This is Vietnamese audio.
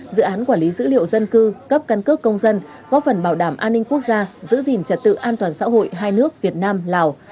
dự án quản lý dữ liệu dân cư cấp căn cước công dân góp phần bảo đảm an ninh quốc gia giữ gìn trật tự an toàn xã hội hai nước việt nam lào